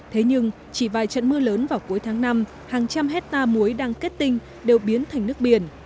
thế nhưng chỉ vài trận mưa lớn vào cuối tháng năm hàng trăm hectare muối đang kết tinh đều biến thành nước biển